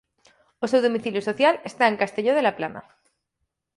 O seu domicilio social está en Castelló de la Plana.